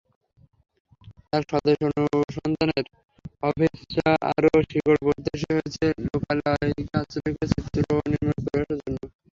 তাঁর স্বদেশ-অনুসন্ধানের অভীপ্সা আরও শিকড়-প্রত্যাশী হয়েছে লোককলাকে আশ্রয় করে চিত্রনির্মাণ প্রয়াসের মধ্যে।